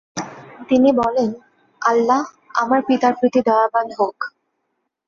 তিনি বলেন, আল্লাহ আমার পিতার প্রতি দয়াবান হোক।